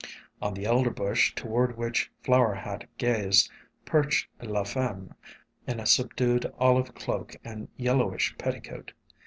'" On the Elder Bush toward which Flower Hat gazed, perched "la femme," in a subdued olive cloak and yellowish petticoat.